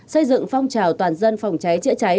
xây dựng phong trào toàn dân phòng cháy chữa cháy